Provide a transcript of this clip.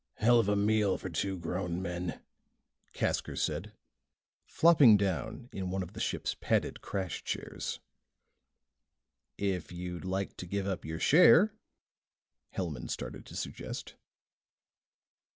"Hell of a meal for two grown men," Casker said, flopping down in one of the ship's padded crash chairs. "If you'd like to give up your share " Hellman started to suggest.